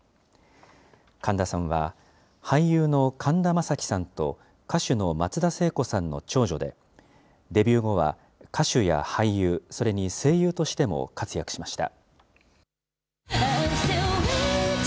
神田さんは俳優の神田正輝さんと歌手の松田聖子さんの長女で、デビュー後は歌手や俳優、それに声優としても活躍しました。